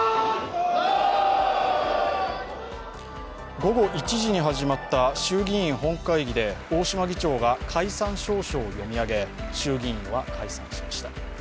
午後１時に始まった衆議院本会議で大島議長が解散詔書を読み上げ、衆議院は解散しました。